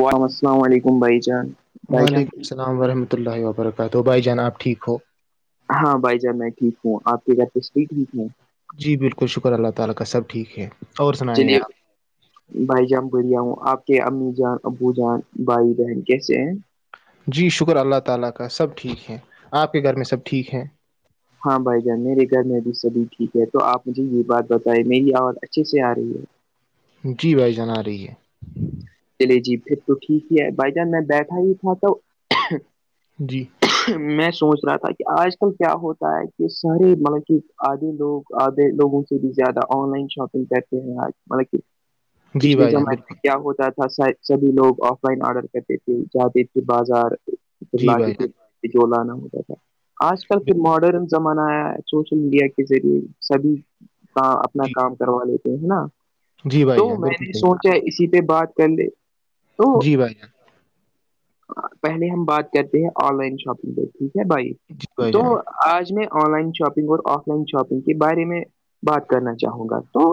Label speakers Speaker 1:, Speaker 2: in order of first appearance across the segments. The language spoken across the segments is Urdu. Speaker 1: وم السلام علیکم بھائی جان بھائی جان
Speaker 2: وعلیکم السلام ورحمۃہ اللہ وبرکاتہ بھائی جناب ٹھیک ہو
Speaker 1: ہاں بھائی جان میں ٹھیک ہوں آپ کی گھرس بھی ٹھیک ہوں
Speaker 2: جی بالکل شکر ا کا سب ٹھیک ہے اور سنائیے
Speaker 1: چلیے
Speaker 2: آپ
Speaker 1: بھائی جان بڑیا ہوں آپ کے امی جان ابو جان بھائی بہن کیسے ہیں
Speaker 2: جی شکر کا سب ٹھیک ہیں آپ کے گھر میں سب ٹھیک ہیں
Speaker 1: ہاں بھائی جان میرے گھر میں ابھی سبھی ٹھیک ہے تو آپ مجھے یہ بات بتائائے میری آواز اچھے سے آ رہی ہے
Speaker 2: جی بھائی جنا رہی ہے
Speaker 1: چلے جی پھر تو ٹھیک ہی ہے بھائی جان میں بیٹھا ہی تھا تو
Speaker 2: جی
Speaker 1: میں سوچ رہا تھا کہ آج کل کیا ہوتا ہے کہ سارے مطلب کہ آدھی لوگ آدے لوگوں سے بھی زیادہ آن لائن شاپنگ کرتے ہیںج مطلب
Speaker 2: [inaudible]
Speaker 1: پچھلے
Speaker 2: بھائی جان
Speaker 1: زمانے میں
Speaker 2: بالکل
Speaker 1: کیا ہوتا تھا سبھی لوگ آف لائن آرڈر کرتے تھے جاتے تھے بازارھر
Speaker 2: جی
Speaker 1: لاتے
Speaker 2: بھائی
Speaker 1: تھے
Speaker 2: جان
Speaker 1: جو ہوا آج کل کی
Speaker 2: بالکل
Speaker 1: ماڈن زمانہ ہے سوشل میڈیا کے ذریعے سبھی کا اپنا
Speaker 2: جی
Speaker 1: کام کروا لیتے ہے نا
Speaker 2: جی بھائی
Speaker 1: تو
Speaker 2: جان
Speaker 1: میں
Speaker 2: بالکل
Speaker 1: نے
Speaker 2: صحیح
Speaker 1: سوچا اسی پہ بات کڈے
Speaker 2: کہا۔
Speaker 1: او
Speaker 2: جی بھائی جان
Speaker 1: پہلے ہم بات کرتے ہیں آن لائن شاپنگ پہ ٹھیک ہے بھائی
Speaker 2: جی بھائی
Speaker 1: تو
Speaker 2: جان
Speaker 1: آج میں آن لائن شاپنگ اور آف لائن شاپنگ کے بارے میں بات کرنا چاہوں گا تو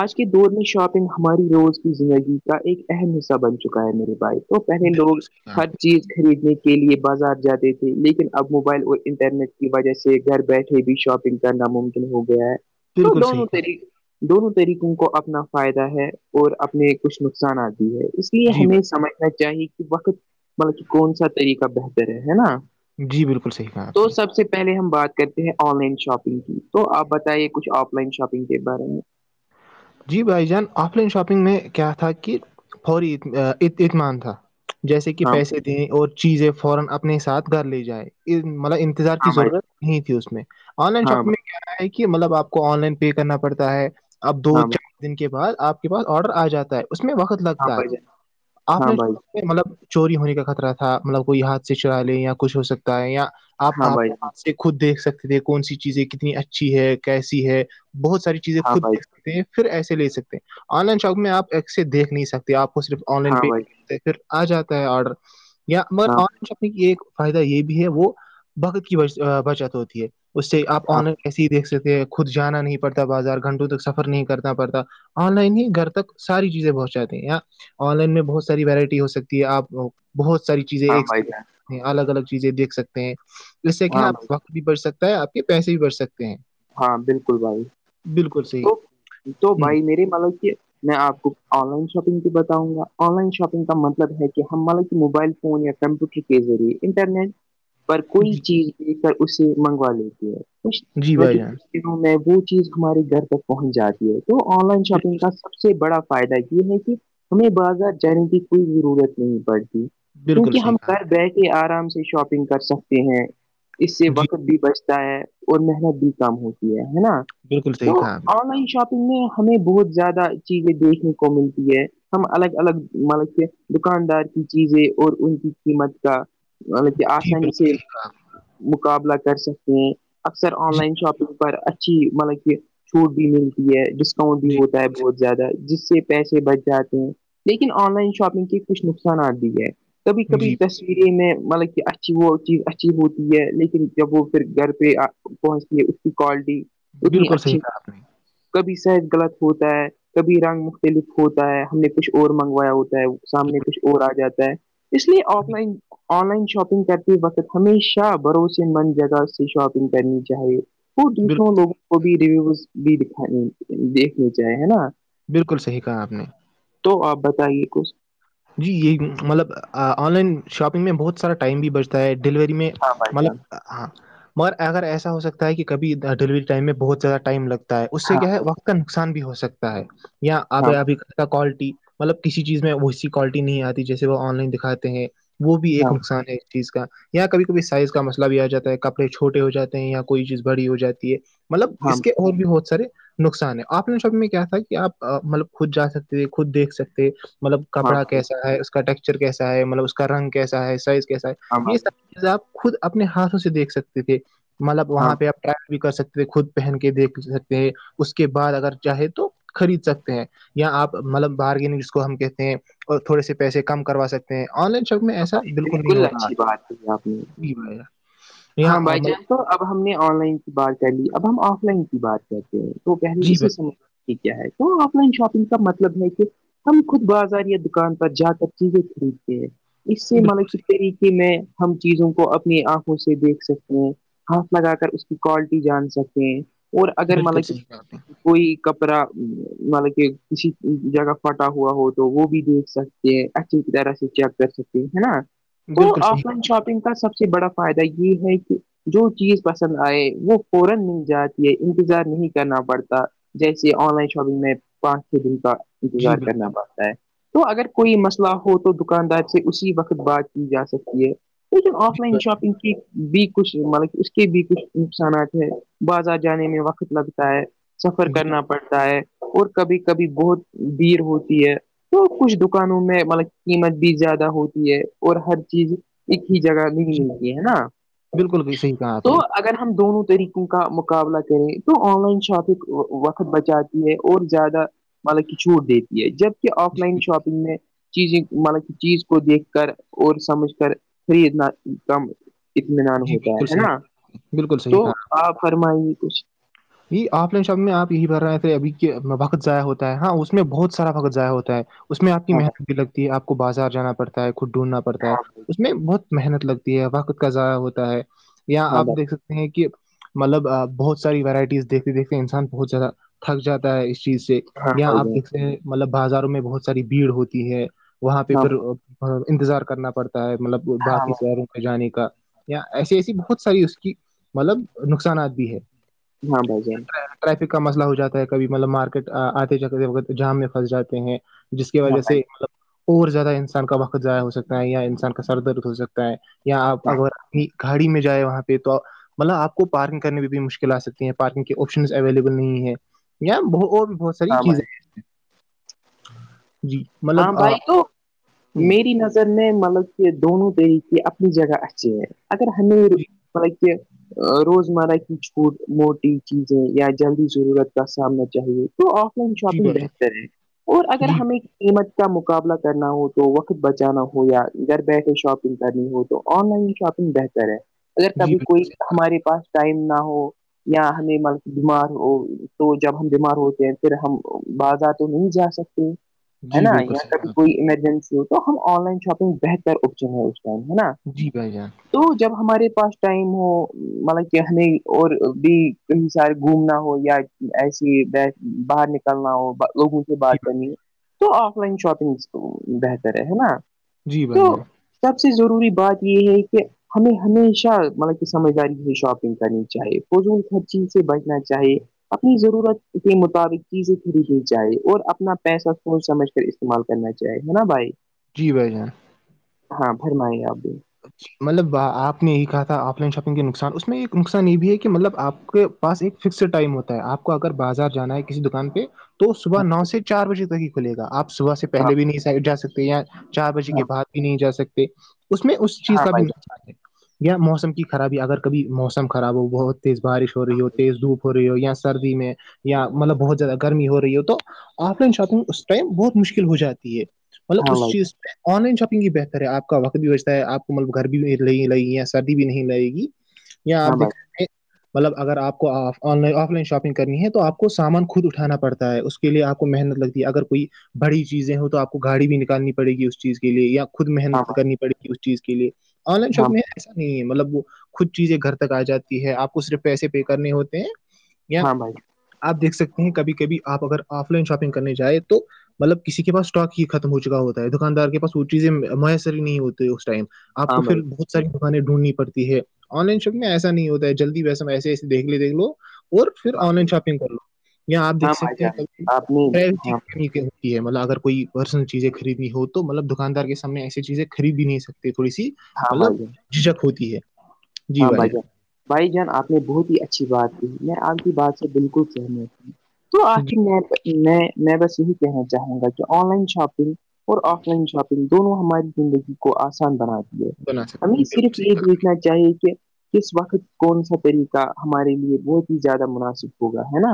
Speaker 1: آج کے دور میں شاپنگ ہماری روز کی زندگی کا ایک اہم حصہ بن چکا ہے میری بھائی تو پہلے
Speaker 2: بالکل
Speaker 1: لوگ
Speaker 2: صحیح کہا آپ
Speaker 1: ہر
Speaker 2: نے
Speaker 1: چیز خریدنے کی کے لیے بازار جاتے تھے لیکن اب موبائل اور انٹرنیٹ کی وجہ سے گھر بیٹھے بھی شاپنگ ناممکن ہو گیا ہے تو
Speaker 2: بالکل صحیح
Speaker 1: دونوں
Speaker 2: کہا آپ نے
Speaker 1: طریقے دونوں طریقوں کو اپنا فائدہ ہے اور اپنے کچھ نقصانات اس لیے
Speaker 2: جی
Speaker 1: ہمیں
Speaker 2: بھائی
Speaker 1: سمجھنا چاہیے کہ وقت مطلب کہ کون سا طریقہ بہتر ہے ہے نا
Speaker 2: جی بالکل صحیح کہا آپ نے
Speaker 1: تو سب سے پہلے ہم بات کرتے ہیں آن لائن شاپنگ کی تو آپ بتائیے کچھ آف لائن شاپنگ کے بارے میں [unintelligible]
Speaker 2: جی بھائی جان آف لائن شاپنگ میں کیا تھا کہ فوری اطمان تھا جیسے کہ
Speaker 1: ہاں بھائی
Speaker 2: پیسے دیں اور چیزیں فورا اپنے ساتھ کر لی جائے مطلب انتظار کی
Speaker 1: ہاں بھائی
Speaker 2: ضرورت نہیں تھی اس میں آن لائن شاپنگ
Speaker 1: ہاں
Speaker 2: میں کہ مطلب آپ کو آن لائن پے کرنا پڑتا ہے اب دو
Speaker 1: بھائی ہاں
Speaker 2: [unintelligible]
Speaker 1: بھائی
Speaker 2: دن کے بعد آپ کے پاس آڈر آ جاتا ہے اس میں وقت
Speaker 1: ہاں
Speaker 2: لگتا ہے
Speaker 1: بھائی جان
Speaker 2: آپ
Speaker 1: ہاں
Speaker 2: نے
Speaker 1: بھائی
Speaker 2: مطلب چوری ہونے کا خطرہ تھا مطلب کوئی ہاتھ سے چرا لے یا کچھ ہو سکتا ہے یا آپ
Speaker 1: ہاں
Speaker 2: آپ
Speaker 1: بھائی
Speaker 2: کے
Speaker 1: جان
Speaker 2: ہاتھ سے خود دیکھ سکتے تھے کون سی چیزیں کتنی اچھی ہے کیسی ہے بہت ساری چیزیں
Speaker 1: ہاں
Speaker 2: خود
Speaker 1: بھائی
Speaker 2: سکتے ہیں پھر ایسے لے سکتے ہیں آن لائن شاپ میں آپ ایسے دیکھ نہیں سکتے آپ کو صرف آن لائن
Speaker 1: ہاں
Speaker 2: پے
Speaker 1: بھائی
Speaker 2: پھر آ جاتا ہے آڈر یا مگر
Speaker 1: ہاں
Speaker 2: آ کچھ اپنے کی ایک فائدہ یہ بھی ہے وہ بگت کی بچت ہوتی ہے اس سے آپ
Speaker 1: ہاں
Speaker 2: آن لائن کیسے ہی دیکھ سکتے خود جانا نہیں پڑتا بازار گھنٹوں تک سفر نہیں کرتا پڑتا آن لائن ہی گھر تک ساری چیزیں پہنچ جاتی ہیں اں آن لائن میں بہت ساری وورائٹی ہو سکتی ہے آپ بہت ساری چیزیں
Speaker 1: ہاں
Speaker 2: ایک
Speaker 1: بھائی جان
Speaker 2: الگ الگ چیزیں دیکھ سکتے ہیں جس سے کیا ہے
Speaker 1: ہاں بھائی
Speaker 2: آپت بھی بڑھ سکتا ہے آپ کے پیسے بھی بڑھ سکتے ہیں
Speaker 1: ہاں بالکل بھائی
Speaker 2: بالکل صحی
Speaker 1: تو تو بھائی میرے ملب کہ میں آپ کو آن لائن شاپنگ بھی بتاؤں گا آن لائن شاپنگ کا مطلب ہے کہ ہم مال کہ موبائل فون یا کمپیوٹر کے ذریعے انٹرنیٹ پر کوئی
Speaker 2: جی
Speaker 1: چیز دیک کر اسے منگوا لیتی ہےچ
Speaker 2: جی بھائی جان
Speaker 1: ل وہ چیز ہمارے گھر تک پہنچ جاتی ہے تو آن لائن
Speaker 2: بال-
Speaker 1: شاپنگ کا سب سے بڑا فائدہ یہ ہے کہ ہمیں بازار جانے کی کوئی ضرورت نہیں پڑتی
Speaker 2: بالکل
Speaker 1: کیونکہ
Speaker 2: صحیح
Speaker 1: ہم
Speaker 2: کہا آپ
Speaker 1: گھر بیٹھ کے آرام سے شاپنگ کر سکتے ہیں اس سے
Speaker 2: نے جی
Speaker 1: وقت بھی بچ ہے اور محنت بھی کم ہوتی ہے ہے نا
Speaker 2: بالکل
Speaker 1: تو
Speaker 2: صحیحا ابھی
Speaker 1: آن لائن شاپنگ میں ہمیں بہت زیادہ چیزیں دیکھنے کو ملتی ہے ہم الگ الگ مطلب سے دکاندار کی چیزیں اور ان کی قیمت کا مطلب کہ
Speaker 2: جی
Speaker 1: آسانی
Speaker 2: بالکل
Speaker 1: سے
Speaker 2: صحیح کہا آپ
Speaker 1: مقابلہ کر سکتے ہیں اکثر
Speaker 2: نے
Speaker 1: آن
Speaker 2: جی
Speaker 1: لائن شاپنگ پر اچھی مطلب کہ چھوٹ بھی ملتی ہے ڈسکاؤنٹ بھی
Speaker 2: جی
Speaker 1: ہوتا ہے بہت زیادہ جس سے پیسے بچ جاتے ہیں لیکن آن لائن شاپنگ کے کچھ نقصانات بھی ہے کبھی کبھی
Speaker 2: جی
Speaker 1: ے میں مطلب کہ اچھی وہ چیز اچھی ہوتی ہے لیکن جب وہ پھر گھر پہ پہنچتی ہے اس کی کوالٹی اتنی
Speaker 2: بالکل صحیح
Speaker 1: اچھی
Speaker 2: کہا آپ نے
Speaker 1: کبھی صحت غلط ہوتا ہے کبھی رنگ مختلف ہوتا ہے ہم نے کچھ اور منگوایا ہوتا ہے سامنے کچھ اور آ جاتا ہے اس لیے offline online shopping کرتے وقت ہمیشہ بھروسے مند جگہ سے شاپنگ کرنی چاہیے وہ دوسروں
Speaker 2: بالکل
Speaker 1: لوگوں کو بھی ریویو بھی دکھ دیکھنے چاہی ہے نا
Speaker 2: بالکل صحیح کہا آپ نے
Speaker 1: تو آپ بتائیے کچھ
Speaker 2: جی یہ مطلب آن لائن شاپنگ میں بہت سارا ٹائم بھی بچتا ہے ڈیلیوری میں
Speaker 1: ہاں بھائی جان
Speaker 2: مطلب ہاں مگر اگر ایسا ہو سکتا ہے کہ کبھی ڈیلیوری ٹائم میں بہت زیادہ ٹائم لگتا ہے اس سے
Speaker 1: ہاں
Speaker 2: کیا ہے
Speaker 1: بھائی
Speaker 2: وقت کا نقصان بھی ہو سکتا ہے یا آپ
Speaker 1: ہاں
Speaker 2: ابھی کوالٹی مطلب کسی چیز میں ویسی کوالٹی نہیں آتی جیسے وہ آن لائن دکھاتے ہیں وہ بھی ایک
Speaker 1: ہاں
Speaker 2: نقصان ہے چیز کا یہاں کبھی کبھی سائز کا مسئلہ بھی آ جاتا ہے کپڑے چھوٹے ہو جاتے ہیں یااں کوئی چیز بڑی ہو جاتی ہے مطلب
Speaker 1: ہاں
Speaker 2: اس کے اور بھی بہت سارے نقصان ہے آف لائن شاپنگ میں کیا تھا کہ آپ مطلب خود جا سکتے خود دیکھ سکتے مطلب
Speaker 1: ہاں
Speaker 2: کپڑا
Speaker 1: بھائی
Speaker 2: کیسا ہے اس کا ٹیکسچر کیسا ہے مطلب اس کا رنگ کیسا ہے سائز کیسا
Speaker 1: ہاں
Speaker 2: ہے یہ
Speaker 1: بھائی
Speaker 2: سب آپ خود اپنے ہاتھوں سے دیکھ سکتے تھے مطلب
Speaker 1: ہاں
Speaker 2: وہاں پہ
Speaker 1: ہاں
Speaker 2: ایڈ بھی کر سکتے ہیں خود پہن کے دیکھ سکتے ہیں اس کے بعد اگر چاہے تو خرید سکتے ہیں یا آپ مطلب بارگینگ جس کو ہم کہتے ہیں اور تھوڑے سے پیسے کم کروا سکتے آن لائن شوک میں ایسا
Speaker 1: بھائی
Speaker 2: بالکل نہیں ہوتا آج
Speaker 1: اچھی بات ہے آپ نے
Speaker 2: ب ار
Speaker 1: ہاں بائی چانس تو اب ہم نے آن لائن کی بات کر لی اب ہم آف لائن کی بات کرتے ہیں تو پہل
Speaker 2: جی
Speaker 1: اسے
Speaker 2: بھائی
Speaker 1: سمجھ کہ کیا ہے تو آف لائن شاپنگ کا مطلب ہے کہ ہم خود بازار یا دکان پر جا کر چیزیں خریدتے ہیں اس سے
Speaker 2: بالکل
Speaker 1: منسب طریقے میں ہم چیزوں کو اپنی آنکھوں سے دیکھ سکتے ہیں ہاتھ لگا کر اس کی کوالٹی جان سکتے ہیں اور اگر
Speaker 2: بالکل
Speaker 1: مطلب کہ
Speaker 2: صحیح کہا آپ نے
Speaker 1: کوئی کپڑا مطلب کہ کسی جگہ پھٹا ہوا ہو تو وہ بھی دیکھ سکتے کہ اچھی طرح سے چیک کر سکتی ہے نا تو
Speaker 2: بالکل صحیح
Speaker 1: آف لائن شاپنگ کا سب سے بڑا فائدہ یہ ہے کہ جو چیز پسند ائے وہ فورا مل جاتی ہے انتظار نہیں کرنا پڑتا جیسے آن لائن شاپنگ میں پانچ چھ دن کا
Speaker 2: جی
Speaker 1: انتظار
Speaker 2: بالکل
Speaker 1: کرنا پڑتا ہے تو اگر کوئی مسئلہ ہو تو دکاندار سے اسی وقت بات کی جا سکتی ہے م آف
Speaker 2: جی
Speaker 1: لائن
Speaker 2: بھائی،
Speaker 1: شاپنگ کی بھی کچھ مطلب اس کے بھی کچھ نقصانات ہے بازار جانے میں وقت لگتا ہے سفر
Speaker 2: جی
Speaker 1: کرنا پڑتا ہے اور کبھی کبھی بہت بھیڑ ہوتی ہے تو کچھ دکانوں میں مطلب قیمت بھی زیادہ ہوتی ہے اور ہر چیز ایک ہی جگہ نکنے لگی ہے نا
Speaker 2: بالکل بھی صحیح کہا آپ
Speaker 1: تو
Speaker 2: نے
Speaker 1: اگر ہم دونوں طریقوں کا مقابلہ کریں تو آن لائن شاپک وقت بچا اور زیادہ مطلب کہ چھوٹ دیتی ہے جبک آف لائن
Speaker 2: جی
Speaker 1: شاپنگ میں چیزیں مطلب چیز کو دیکھ کر اور سمجھ کر خریدنا کم اطمینان
Speaker 2: جی
Speaker 1: ہوتا
Speaker 2: بالکل
Speaker 1: ہے
Speaker 2: صحیح
Speaker 1: نا
Speaker 2: بالکل
Speaker 1: تو
Speaker 2: صحیح کہا
Speaker 1: آپ فرمائیے کچھ
Speaker 2: یہ آف لائن شبد میں آپ یہی کر رہے تھے ابھی کہ وقت ضائع ہوتا ہے ہاں اس میں بہت سارا وقت ضائع ہوتا ہے اس میں آپ کی
Speaker 1: ہاں بھائی
Speaker 2: محنت بھی لگتی ہے آپ کو بازار جانا پڑتا ہے خود ڈھونڈنا پڑتا ہے
Speaker 1: ہاں بھائی
Speaker 2: اس میں بہت محنت لگتی ہے وقت کا ضائع ہوتا ہے یااں
Speaker 1: ہاں
Speaker 2: آپ
Speaker 1: بھائی
Speaker 2: دیکھ سکتے ہیں کہ مطلب بہت ساری ورائٹی ز دیکھتے دیکھتے انسان بہت زیادہ تھک جاتا ہے اس چیز سے
Speaker 1: ہاں
Speaker 2: یا
Speaker 1: بھائی
Speaker 2: آپ
Speaker 1: جان
Speaker 2: دیکتے ہیں مطلب بازاروں میں بہت ساری بھیڑ ہوتی ہے وہاں پہ
Speaker 1: ہاں
Speaker 2: پھر انتظار کرنا پڑتا ہے مطلب
Speaker 1: ہاں
Speaker 2: باقی
Speaker 1: بھائی
Speaker 2: شہروں جانے کا یا ایسی ایسی بہت ساری اس کی مطلب نقصانات بھی ہے
Speaker 1: ہاں بھائی جان
Speaker 2: ٹریفک کا مسئلہ ہو جاتا ہے کبھی مطلب مارکیٹ آتے جاتتے وقت جام میں پھنس جاتے ہیں جس کی
Speaker 1: ہاں
Speaker 2: وجہ سے
Speaker 1: بھائی
Speaker 2: مطلب اور زیادہ انسان کا وقت ضائع ہو سکتا ہے یا انسان کا سر درد ہو سکتا ہے یا آپ
Speaker 1: ہاں
Speaker 2: اگرنی گاڑی میں جائ وہاں پہ تو مطلب آپ کو پارکنگ کرنے میں بھی مشکل آ سکتی ہیں پارکنگ کے آپشن اویلیبل نہیں ہے یا اور بھی بہت ساری
Speaker 1: ہاں
Speaker 2: چیزیں
Speaker 1: بھائی
Speaker 2: ہیں جی
Speaker 1: ہاں
Speaker 2: مطلب آ،
Speaker 1: بھائی تو
Speaker 2: ہوں،
Speaker 1: میری نظر میں مطلب کہ دونوں طریق کی اپنی جگہ اچھی اگر ہمیں
Speaker 2: جی
Speaker 1: مطلب کہ روزمرہ کی چھوٹ موٹی چیزیں یا جلدی ضرورت کا سامنا چاہیے تو آف لائن
Speaker 2: جی
Speaker 1: شاپنگ
Speaker 2: بھائی جان
Speaker 1: بہتر ہے اور اگر
Speaker 2: جی
Speaker 1: ہمیں قیمت کا مقابلہ کرنا ہو تو وقت بچانا ہو یا گھر بیٹھے شاپنگ کرنی ہو تو آن لائن شاپگ بہتر ہے اگر
Speaker 2: جی
Speaker 1: کبھی
Speaker 2: بالکل
Speaker 1: کوئی
Speaker 2: صحیح
Speaker 1: ہمارے پاس ٹائم نہ ہو یا ہمیں مل بیمار ہو تو جب ہم بیمار ہوتے ہیں پھر ہم بازار تو نہیں جا سکتے ہے
Speaker 2: جی
Speaker 1: نا
Speaker 2: بالکل
Speaker 1: یہاں
Speaker 2: صحیح
Speaker 1: کبھی
Speaker 2: کہا آپ
Speaker 1: کوئی
Speaker 2: نے
Speaker 1: ایمرجنسی ہو تو ہم آن لائن شاپنگ بہتر آپشن ہے اس ٹائم ہے نا
Speaker 2: جی بھائی جان
Speaker 1: تو جب ہمارے پاس ٹائم ہو مطلب کہ ہمیں اور بھی کہیں سار گھومنا ہو یا ایسی باہر نکلنا ہو لوگوں سے
Speaker 2: جی
Speaker 1: بات کرنی ہے تو آف لائن شاپنگ بہتر ہے نا
Speaker 2: جی بھائی
Speaker 1: تو
Speaker 2: جان
Speaker 1: سب سے ضروری بات یہ ہے کہ ہمیں ہمیشہ مطلب کہ سمجھداری سے شاپنگ کرنی چاہیے ف ہر چیز سے بچنا چاہیے اپنی ضرورت کے مطابق چیزیں خریدی جائے اور اپنا پیسہ سوچ سمجھ کر استعمال کرنا چاہیے ہے نا بھائی
Speaker 2: جی بھائی جان
Speaker 1: ہاں فرمائیے آپ بھی
Speaker 2: مطلب آپ نے یہی کہا تھا آف لائن شاپنگ کے نقصان اس میں ایک نقصان یہ بھی ہے کہ مطلب آپ کے پاس ایک فکسڈ ٹائم ہوتا ہے آپ کو اگر بازار جانا ہے کسی دکان پہ تو صبح
Speaker 1: ہاں
Speaker 2: نو
Speaker 1: بھائی
Speaker 2: سے چار بجے تک ہی کھلے گا آپ صبح سے
Speaker 1: ہاں
Speaker 2: پہلے بھی
Speaker 1: بھائی،
Speaker 2: نہیں جا سکتے یا چار بجے کے
Speaker 1: ہاں
Speaker 2: بعد بھی نہیں جا سکتے اس میں اس چیز
Speaker 1: ہاں
Speaker 2: کا بھی
Speaker 1: بھائی
Speaker 2: نقصان ہے یا موسم کی خرابی اگر کبھی موسم خراب ہو بہت تیز بارش ہو
Speaker 1: جان
Speaker 2: رہی ہو تیز دھوپ ہو رہی رہی ہو یا سردی میں یا مطلب بہت زیادہ گرمی ہو رہی ہو تو آف لائن شاپنگ اس ٹائم بہت مشکل ہو جاتی ہے مطلب
Speaker 1: ہاں
Speaker 2: اس
Speaker 1: بھائی
Speaker 2: چیز آن لائن شاپنگ بھی بہتر ہے آپ کا وقت بھی آپ کو مطلب گرمی بھی نہیں لگے گی یا سردی بھی نہیں لگے گی یا
Speaker 1: ہاں
Speaker 2: آپ دیک
Speaker 1: بھائی
Speaker 2: سکتے ہیں مطلب اگر آپ کو آف لائن شاپنگ کرنی ہے تو آپ کو سامان خود اٹھانا پڑتا ہے کے لیے آپ کو محنت لگتی ہے اگر کوئی بڑی چیزیں ہو تو آپ کو گاڑی بھی نکالنی پڑے گی اس چیز کے لیے یا خود
Speaker 1: ہاں
Speaker 2: محنت
Speaker 1: بھائی
Speaker 2: کرنی پڑ گی اس چیز کے لیے آن لائن
Speaker 1: ہاں
Speaker 2: شاپنگ ایسا نہیں ہے مطلب وہ خود چیزیں گھر تک آ جاتی ہے آپ کو صرف پیسے پے کرنے ہوتے ہیں یا
Speaker 1: ہاں بھائی
Speaker 2: آپ دیکھ سکتے ہیں کبھی کبھی آپ اگر آف لائن شاپنگ کرنے جائیں تو مطلب کسی کے پس اسٹاک ہی ختم ہو چکا ہوتا ہے دکاندار کے پس وہ چیزیں میسر ہی نہیں ہوتی اس ٹائم آپ کو
Speaker 1: ہاں بھائی
Speaker 2: پھر بہت ساری دکانیں ڈھونڈنی پڑتی ہے آن لائن شاپگ ایسا نہیں ہوتا ہے جلدیسا ایسے ایسے دیکھ ل دیکھ لو اور پھر
Speaker 1: ہاں
Speaker 2: آن لائن
Speaker 1: بھائی
Speaker 2: شاپنگ کر لو یااں آپ
Speaker 1: ہاں
Speaker 2: دیکھ
Speaker 1: بھائی
Speaker 2: سکتے ہیں
Speaker 1: جان
Speaker 2: ک
Speaker 1: آپ نے ہاں
Speaker 2: یہ مطلب اگر کوئی پرسنل چیزیں خریدنی ہو تو مطلب دکاندار کے سامنے ایسی چیزیں خری بھی نہیں سکتے تھوڑی سی
Speaker 1: ہاں
Speaker 2: مطلب
Speaker 1: بھائی جان
Speaker 2: جھجک ہوتی ہے جی
Speaker 1: ہاں
Speaker 2: بھائی
Speaker 1: بائی [unintelligible] بھائی جان آپ نے بہت ہی اچھی بات کی میں آپ کی بات سے بالکل سہنا تو
Speaker 2: جی
Speaker 1: آخر میں میں میں بس یہی کہنا چاہوں گا کہ آن لائن شاپنگ [unintelligible] اور آف لائن شاپنگ دونوں ہماری زندگی کو آسان بناتی ہے
Speaker 2: بنا سکتے
Speaker 1: ہمیں
Speaker 2: ہیں بالکل
Speaker 1: صرف
Speaker 2: صحیح
Speaker 1: یہ
Speaker 2: کہا
Speaker 1: دیک نہ چاہی [inaudible] کہ کس وقت کون سا طریقہ ہمارے لیے بہت ہی زیادہ مناسب ہوگا ہے نا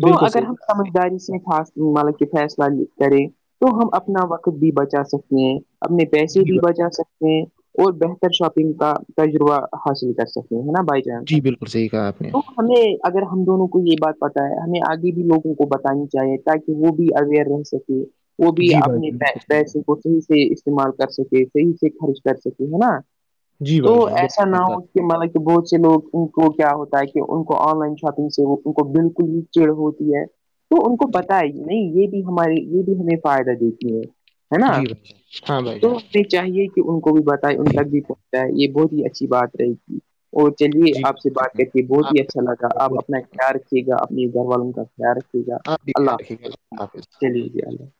Speaker 1: تو
Speaker 2: بالکل
Speaker 1: اگر
Speaker 2: صحیح
Speaker 1: ہم
Speaker 2: کہا آپ
Speaker 1: سمجھداری سے خاص مطلب کہ فیصلہ کریں تو ہم اپنا وقت بھی بچا سکتے ہیں اپنے
Speaker 2: نے
Speaker 1: پیسے
Speaker 2: جی
Speaker 1: بھی
Speaker 2: بھائی
Speaker 1: بچا سکتے ہیں اور بہتر شاپنگ کا تجربہ حاصل کر سکتے ہیں ہے نا بائی چانس
Speaker 2: جی بالکل صحیح کہا آپ نے
Speaker 1: تو ہمیں اگر ہم دونوں کو یہ بات پت ہے ہمیں آگے بھی لوگوں کو بتانی چاہیے تاکہ وہ بھی اویئر رہ سکے وہ بھی
Speaker 2: جی بھائی
Speaker 1: اپنے پیسے کو صحیح سے استعمال کر سکے صحیح سے خرچ کر سکے ہے نا
Speaker 2: جی بھائی شان بالکل
Speaker 1: نا
Speaker 2: صحیح کہا
Speaker 1: ہو
Speaker 2: آپ نے۔ صحیح کہا آپ
Speaker 1: [unintelligible] کہ مطب کہ بہت سے لوگ ان کو کیا ہوتا ہے کہ ان کو آن لائن شاپنگ سے وہ ان کو بالکل بھی چڑ ہوتی ہے تو ان کو
Speaker 2: نے۔ جی
Speaker 1: پت ہے نہیں یہ بھی ہمارے یہ بھی ہمیں فائدہ دیتی ہے ہے نا
Speaker 2: جی بھائی جان ہاں بھائی
Speaker 1: تو
Speaker 2: جان
Speaker 1: [unintelligible] چاہیے کہ ان کو بھی بتائے ان تک بھی پہنچائے یہ بہت ہی اچھی بات رہی تھی اور چلیے
Speaker 2: جی
Speaker 1: آپ سے
Speaker 2: بالکل صحیح
Speaker 1: بات کر کے
Speaker 2: کہا
Speaker 1: بہت ہی
Speaker 2: آپ نے۔
Speaker 1: اچھا لگا
Speaker 2: کا بہت
Speaker 1: آپ
Speaker 2: بہت
Speaker 1: اپنا
Speaker 2: شکریہ،
Speaker 1: خیال رکھیے گا اپنے گھر والوں کا خ رکھیے گا
Speaker 2: آپ بھی
Speaker 1: اللہ
Speaker 2: خیال رکھیے
Speaker 1: حافظ
Speaker 2: گا اللہ حافظ
Speaker 1: چلیے اللہ